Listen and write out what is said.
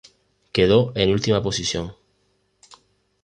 Quedó en última posición.